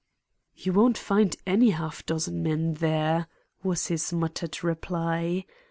"You won't find any half dozen men there," was his muttered reply.